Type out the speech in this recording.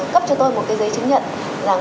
cấp cho tôi một cái giấy chứng nhận